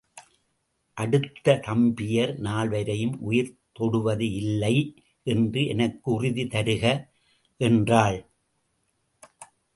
அடுத்த தம்பியர் நால்வரையும் உயிர் தொடுவது இல்லை என்று எனக்கு உறுதி தருக என்றாள்.